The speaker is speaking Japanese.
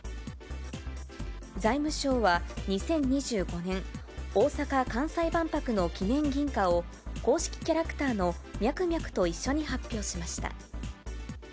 財務省は、２０２５年大阪・関西万博の記念銀貨を、公式キャラクターのミャクミャクと一緒に発表しました。